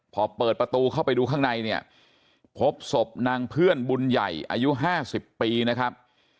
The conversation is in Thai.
พอเปิดประตูเข้าไปดูข้างในเนี่ยพบศพนางเพื่อนบุญใหญ่อายุ๕๐ปีนะครับ